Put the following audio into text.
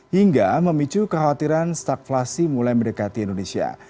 hingga memicu kekhawatiran stakflasi mulai mendekati indonesia